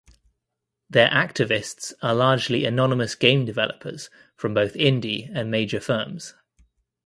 Their activists are largely anonymous game developers from both indie and major firms.